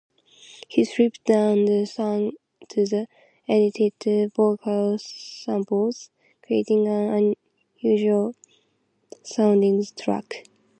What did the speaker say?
He stripped down the song to edited vocal samples, creating an unusual sounding track.